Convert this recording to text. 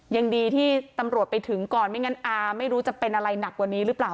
ยังดีที่ตำรวจไปถึงก่อนไม่งั้นอาไม่รู้จะเป็นอะไรหนักกว่านี้หรือเปล่า